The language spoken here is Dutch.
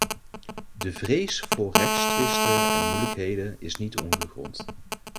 De vrees voor rechtstwisten en moeilijkheden is niet ongegrond.